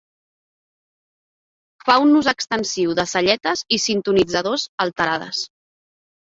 Fa un ús extensiu de celletes i sintonitzacions alterades.